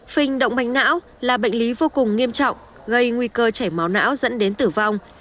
phình động mạch não là bệnh lý vô cùng nghiêm trọng gây nguy cơ chảy máu não dẫn đến tử vong